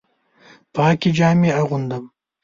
پاکې جامې اغوندم